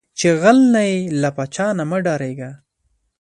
چې غل نۀ یې، لۀ پاچا نه مۀ ډارېږه